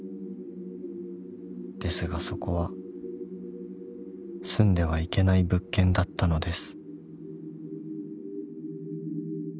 ［ですがそこは住んではいけない物件だったのです］